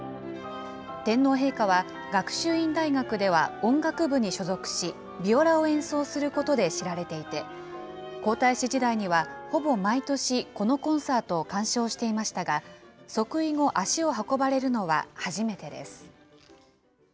天皇陛下は学習院大学では音楽部に所属し、ビオラを演奏することで知られていて、皇太子時代にはほぼ毎年、このコンサートを鑑賞していましたが、即位後、足を運ばれるのは初めてです。